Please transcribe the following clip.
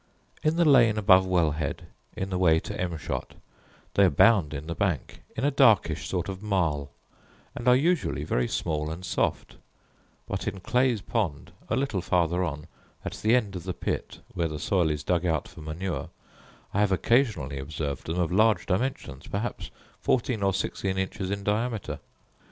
In the lane above Well head, in the way to Emshot, they abound in the bank, in a darkish sort of marl; and are usually very small and soft: but in Clay's Pond, a little farther on, at the end of the pit, where the soil is dug out for manure, I have occasionally observed them of large dimensions, perhaps fourteen or sixteen inches in diameter.